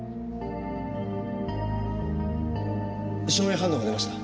硝煙反応が出ました。